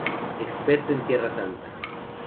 Experto en Tierra Santa.